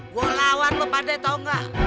gua lawan lu pakde tau gak